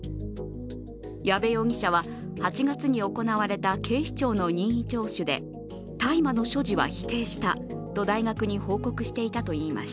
矢部容疑者は８月に行われた警視庁の任意聴取で大麻の所持は否定したと大学に報告していたといいます。